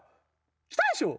来たでしょ？